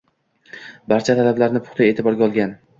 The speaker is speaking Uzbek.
Barcha talablarini puxta e’tiborga olgan.